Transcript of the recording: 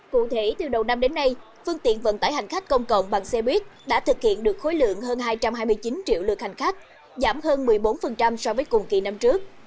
cụ thể từ đầu năm đến nay phương tiện vận tải hành khách công cộng bằng xe buýt đã thực hiện được khối lượng hơn hai trăm hai mươi chín triệu lượt hành khách giảm hơn một mươi bốn so với cùng kỳ năm trước